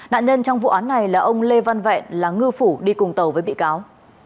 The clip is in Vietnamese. nạn nhân trong vụ án này là ông lê văn vẹn là ngư phủ đi cùng tàu với bị cáo